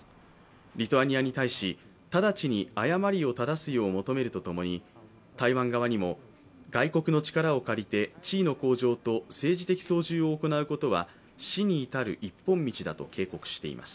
リトアニアに対し、直ちに誤りを正すよう求めるとともに台湾側にも外国の力を借りて地位の向上と政治的操縦を行うことは死に至る一本道だと警告しています。